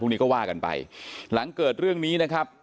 นี้ก็ว่ากันไปหลังเกิดเรื่องนี้นะครับ